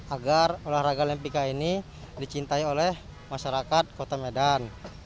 agar olahraga lempica ini dicintai oleh masyarakat kota medan